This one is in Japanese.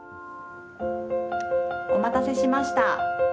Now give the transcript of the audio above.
お待たせしました。